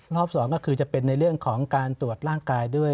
รอบ๒ก็คือจะเป็นในเรื่องของการตรวจร่างกายด้วย